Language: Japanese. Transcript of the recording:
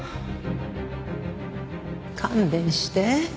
勘弁して。